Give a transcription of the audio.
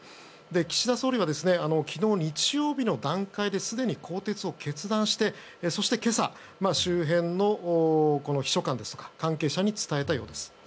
岸田総理が昨日、日曜日の段階ですでに更迭を決断してそして今朝周辺の秘書官や関係者に伝えたようです。